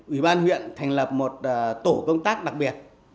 ủy ban huyện thành lập một tổ công tác đặc biệt